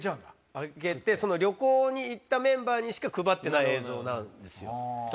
あげてその旅行に行ったメンバーにしか配ってない映像なんですよ。